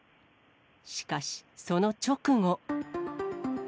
しかし、その直後。